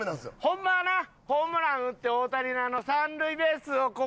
ホンマはなホームラン打って大谷のあの三塁ベースを越えたぐらいの。